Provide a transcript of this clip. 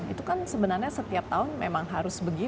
itu kan sebenarnya setiap tahun memang harus begitu kan